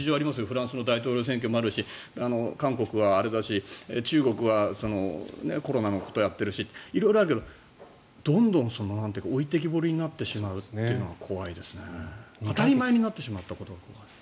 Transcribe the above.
フランスの大統領選挙もあるし韓国はあれだし中国はコロナのことをやっているしって色々あるけどどんどん置いてけぼりになってしまうっていうのが当たり前になってしまったことが怖い。